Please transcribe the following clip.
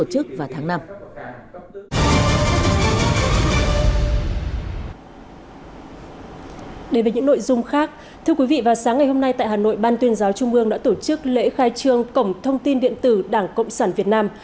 đến với những nội dung khác thưa quý vị vào sáng ngày hôm nay tại hà nội ban tuyên giáo trung ương đã tổ chức lễ khai trương cổng thông tin điện tử đảng cộng sản việt nam